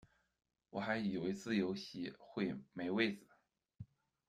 我还以为自由席会没位子